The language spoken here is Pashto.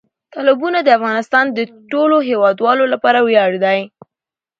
تالابونه د افغانستان د ټولو هیوادوالو لپاره ویاړ دی.